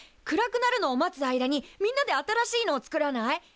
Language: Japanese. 暗くなるのを待つ間にみんなで新しいのを作らない？